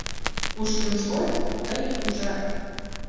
Кушкын шуат, тый ужат